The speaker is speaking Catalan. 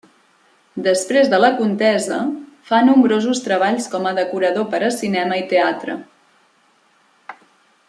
Després de la contesa, fa nombrosos treballs com a decorador per a cinema i teatre.